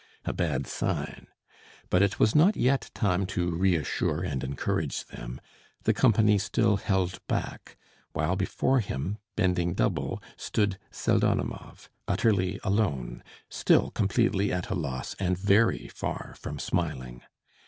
A bad sign. But it was not yet time to reassure and encourage them. The company still held back, while before him, bending double, stood Pseldonimov, utterly alone, still completely at a loss and very far from smiling.